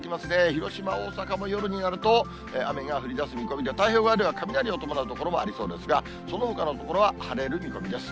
広島、大阪も夜になると雨が降りだす見込みで、太平洋側では雷を伴う所もありそうですが、そのほかの所は晴れる見込みです。